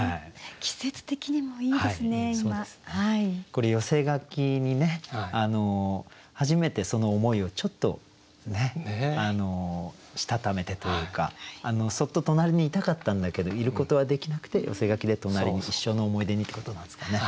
これ寄せ書きにね初めてその思いをちょっとしたためてというかそっと隣にいたかったんだけどいることはできなくて寄せ書きで隣に一生の思い出にってことなんですかね。